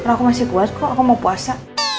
aku masih kuat kok aku mau puasa